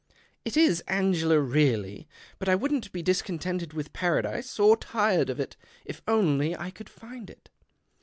"It is Angela, really. But I wouldn't be discontented with paradise, or tired of it — if only I could find it."